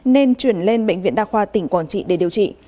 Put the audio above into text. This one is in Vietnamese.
nên chuyển lên bệnh viện đa khoa tỉnh quảng trị để điều trị